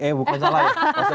eh bukan salah ya